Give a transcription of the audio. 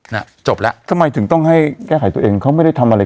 น่ะจบแล้วทำไมถึงต้องให้แก้ไขตัวเองเขาไม่ได้ทำอะไร